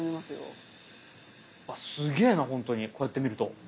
すげぇな本当にこうやって見ると。